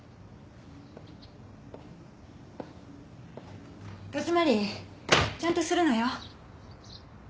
戸締まりちゃんとするのよ。